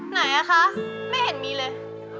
ไหนอะคะไม่เห็นมีเลย